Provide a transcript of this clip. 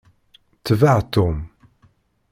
Tbeɛ Tom!